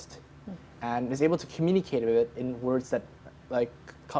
dan dapat berkomunikasi dengan itu dalam kata kata yang